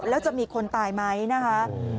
แล้วจะมีคนตายไหมนะคะ